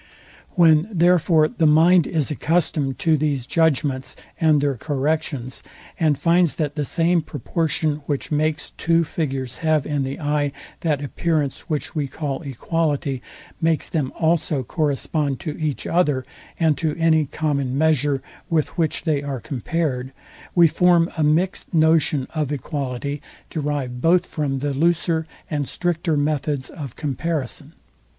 When therefore the mind is accustomed to these judgments and their corrections, and finds that the same proportion which makes two figures have in the eye that appearance, which we call equality, makes them also correspond to each other, and to any common measure, with which they are compared, we form a mixed notion of equality derived both from the looser and stricter methods of comparison.